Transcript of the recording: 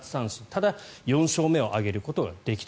ただ、４勝目を挙げることができた。